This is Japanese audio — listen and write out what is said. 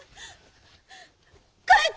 帰って！